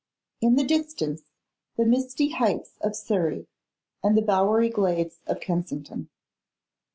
In the distance, the misty heights of Surrey, and the bowery glades of Kensington.